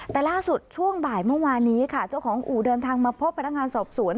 แต่ล่าสุดช่วงบ่ายเมื่อวานนี้ค่ะเจ้าของอู่เดินทางมาพบพนักงานสอบสวน